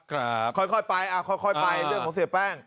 ครับค่อยค่อยไปอ่าค่อยค่อยไปเรื่องของเสียแป้ง